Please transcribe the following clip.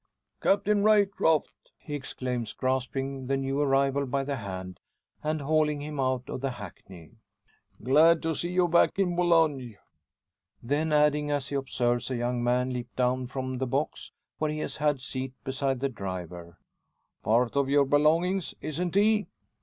"Captain Ryecroft!" he exclaims, grasping the new arrival by the hand, and hauling him out of the hackney. "Glad to see you back in Boulogne." Then adding, as he observes a young man leap down from the box where he has had seat beside the driver, "Part of your belongings, isn't he?"